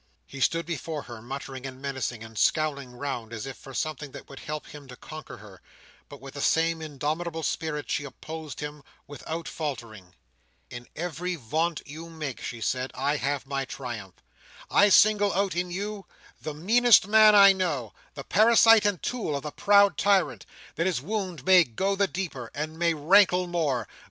He stood before her, muttering and menacing, and scowling round as if for something that would help him to conquer her; but with the same indomitable spirit she opposed him, without faltering. "In every vaunt you make," she said, "I have my triumph. I single out in you the meanest man I know, the parasite and tool of the proud tyrant, that his wound may go the deeper, and may rankle more.